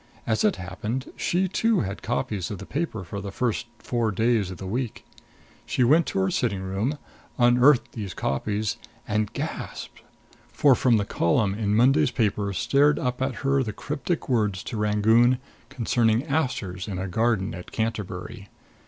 As it happened, she, too, had copies of the paper for the first four days of the week. She went to her sitting room, unearthed these copies, and gasped! For from the column in Monday's paper stared up at her the cryptic words to Rangoon concerning asters in a garden at Canterbury.